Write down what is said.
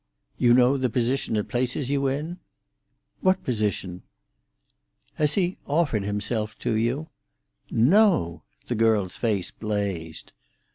"You know the position it places you in?" "What position?" "Has he offered himself to you?" "No!" the girl's face blazed.